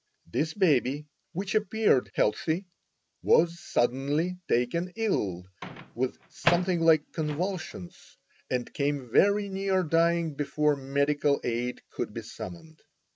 This baby, which appeared healthy, was suddenly taken ill with something like convulsions, and came very near dying before medical aid could be summoned.